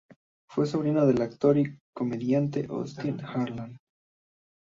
Fue sobrino del actor y comediante Otis Harlan.